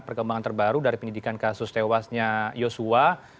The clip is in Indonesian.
perkembangan terbaru dari pendidikan kasus tewasnya joshua